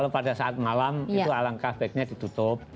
pada saat malam itu alangkah baiknya ditutup